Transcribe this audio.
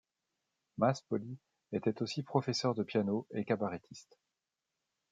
Maspoli était aussi professeur de piano et cabaretiste.